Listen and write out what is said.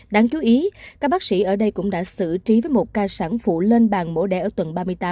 đáng chú ý các bác sĩ ở đây cũng đã xử trí với một ca sản phụ lên bàn mổ đẻ ở tuần ba mươi tám